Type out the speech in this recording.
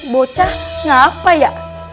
bocah ngapa ya